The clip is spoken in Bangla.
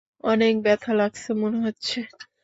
অনেক ব্যাথা লাগছে মনে হচ্ছে।